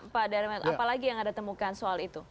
pak daryman apa lagi yang ada temukan soal itu